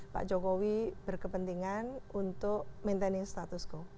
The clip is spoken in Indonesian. pak jokowi berkepentingan untuk maintaining status quo